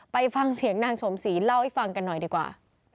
ไปฟังเสียงนางสมศรีเล่าให้ฟังกันหน่อยดีกว่า